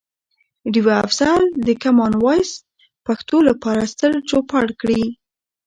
ډیوه افضل د کمان وایس پښتو لپاره ستر چوپړ کړي.